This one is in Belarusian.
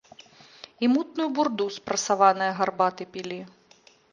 І мутную бурду з прасаванае гарбаты пілі.